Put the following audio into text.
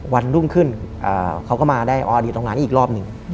วันรุ่งขึ้นเขาก็มาออดิทร์ด้านการกาลอีกรอบหนึ่ง